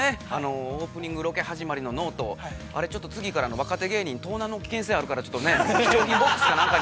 オープニングロケ始まりのノートあれ、ちょっと次から若手芸人、盗難の危険性あるからちょっとね貴重品ボックスか何かに。